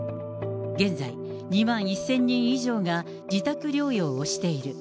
現在、２万１０００人以上が自宅療養をしている。